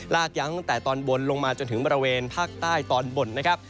ยั้งตั้งแต่ตอนบนลงมาจนถึงบริเวณภาคใต้ตอนบนนะครับ